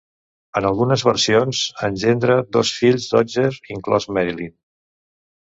En algunes versions, engendra dos fills d'Otger, inclòs Marlyn.